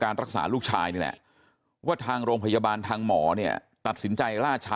ขึ้นกับแนบเลยครับเผาทีที่ตายอ่ะ